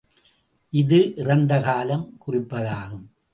இது இறந்த காலம் குறிப்பதாகும்.